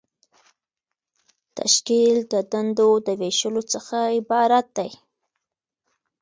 تشکیل د دندو د ویشلو څخه عبارت دی.